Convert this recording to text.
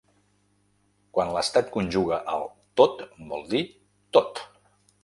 Quan l’estat conjuga el “tot” vol dir tot.